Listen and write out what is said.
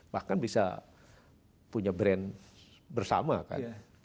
bahkan bisa punya brand bersama kan